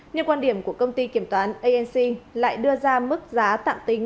nhưng quan điểm của công ty kiểm toán anc lại đưa ra mức giá tạm tính